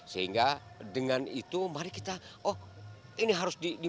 sehingga dengan itu mari kita oh ini harus di